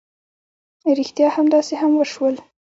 ريښتيا همداسې هم وشول.